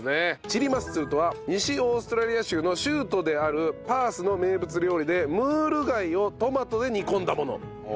チリマッスルとは西オーストラリア州の州都であるパースの名物料理でムール貝をトマトで煮込んだもの。